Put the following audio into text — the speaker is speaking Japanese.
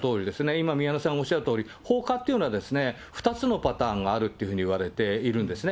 今、宮根さんおっしゃるとおり、放火っていうのは、２つのパターンがあるっていうふうにいわれているんですね。